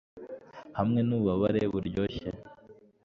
hamwe n'ububabare buryoshye